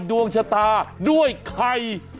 ดวงชะตาด้วยใคร